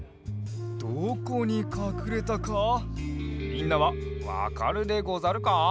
どこにかくれたかみんなはわかるでござるか？